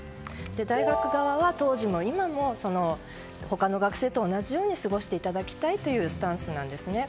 大学側は当時も今も他の学生と同じように過ごしていただきたいというスタンスなんですね。